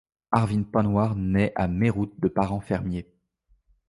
Arvind Panwar nait à Meerut de parents fermiers.